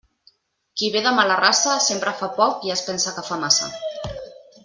Qui ve de mala raça, sempre fa poc i es pensa que fa massa.